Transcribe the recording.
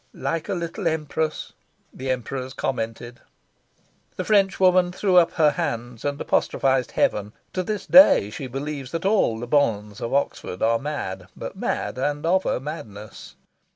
"Like a little Empress," the Emperors commented. The Frenchwoman threw up her hands and apostrophised heaven. To this day she believes that all the bonnes of Oxford are mad, but mad, and of a madness.